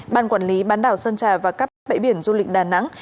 ban quản lý bán đảo sơn trà và cắp các bãi biển du lịch đà nẵng